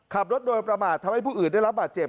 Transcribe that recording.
ขับรถโดยประมาททำให้ผู้อื่นได้รับบาดเจ็บ